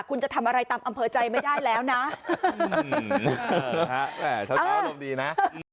คุณจะทำอะไรตามอำเภอใจไม่ได้แล้วนะ